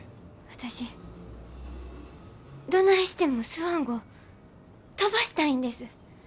私どないしてもスワン号飛ばしたいんです。